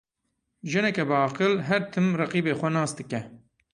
Jineke biaqil, her tim reqîbê xwe nas dike.